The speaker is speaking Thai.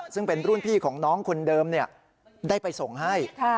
ซึ่งเป็นรุ่นพี่ของน้องคนเดิมได้ไปส่งให้